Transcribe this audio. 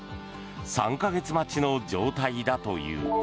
３か月待ちの状態だという。